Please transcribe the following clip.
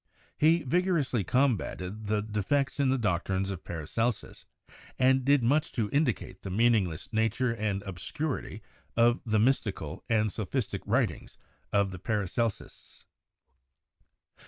He vigorously combated the defects in the doctrines of Paracelsus, and did much to indicate the meaningless nature and obscurity of the mystical and sophistic writings of the Paracelsists.